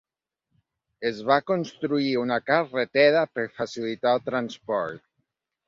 Es va construir una carretera per facilitar el transport.